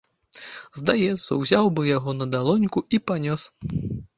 Здаецца, узяў бы яго на далоньку і панёс.